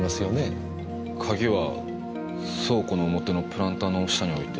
鍵は倉庫の表のプランターの下に置いて。